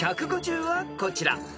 ［ＩＱ１５０はこちら］